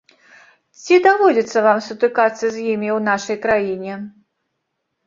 Ці даводзіцца вам сутыкацца з імі ў нашай краіне?